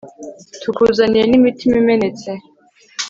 tukuzaniye n'imitima imenetse